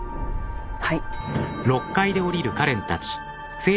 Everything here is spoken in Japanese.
はい。